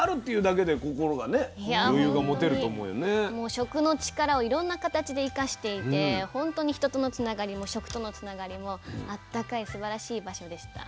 食の力をいろんな形で生かしていて本当に人とのつながりも食とのつながりもあったかいすばらしい場所でした。